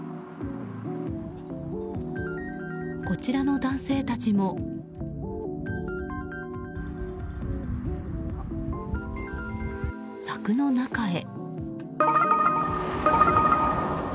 こちらの男性たちも柵の中へ。